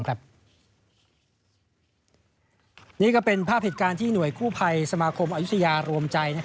นี่ก็เป็นภาพเหตุการณ์ที่หน่วยกู้ภัยสมาคมอายุทยารวมใจ